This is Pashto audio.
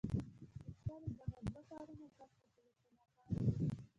غوښتل یې دغه دوه ښارونه فتح کړي خو ناکام شو.